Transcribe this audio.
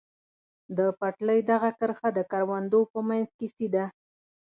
د پټلۍ دغه کرښه د کروندو په منځ کې سیده.